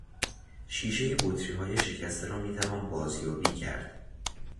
شیشهی بطریهای شکسته را میتوان بازیابی کرد.